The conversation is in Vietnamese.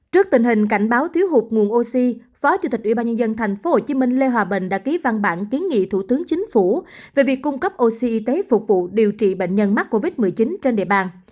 trước tình hình cảnh báo thiếu hụt nguồn oxy phó chủ tịch ubnd tp hcm lê hòa bình đã ký văn bản kiến nghị thủ tướng chính phủ về việc cung cấp oxy y tế phục vụ điều trị bệnh nhân mắc covid một mươi chín trên địa bàn